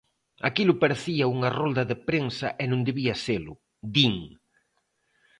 "Aquilo parecía unha rolda de prensa e non debía selo", din.